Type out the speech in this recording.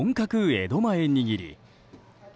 江戸前握り。